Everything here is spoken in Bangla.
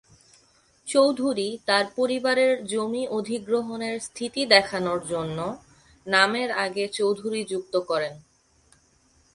চৌধুরী তার পরিবারের জমি অধিগ্রহণের স্থিতি দেখানোর জন্য নামের আগে চৌধুরী যুক্ত করেন।